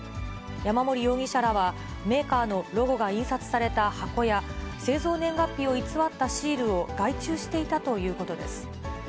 山森容疑者らは、メーカーのロゴが印刷された箱や、製造年月日を偽ったシールを外注していたということです。